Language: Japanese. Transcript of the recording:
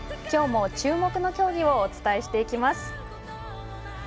きょうも注目の競技をお伝えしていきます。